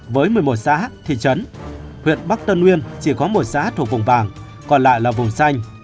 với một mươi một xã thị trấn huyện bắc tân uyên chỉ có một xã thuộc vùng vàng còn lại là vùng xanh